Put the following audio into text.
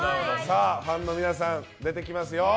ファンの皆さん、出てきますよ。